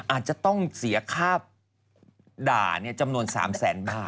อาจจะต้องเสียค่าด่าจำนวน๓แสนบาท